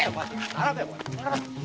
並べ。